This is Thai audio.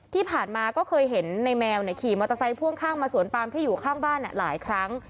ที่ผ่านมาก็เคยเห็นในแมวขี่มอเตอร์ไซค่วงข้างมาสวนปามที่อยู่ข้างบ้านหลายครั้ง